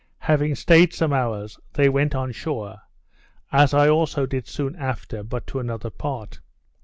Having staid some hours, they went on shore; as I also did soon after, but to another part.